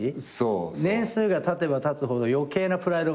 年数がたてばたつほど余計なプライドが。